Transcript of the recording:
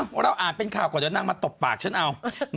อ้าวเวลาอ่านเป็นข่าวก่อนจะนั่งมาตบปากฉันเอา